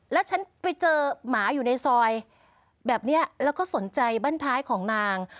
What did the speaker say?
แล้วฉันไปเจอหมาอยู่ในซอยแบบนี้แล้วก็สนใจบ้านท้ายของนาง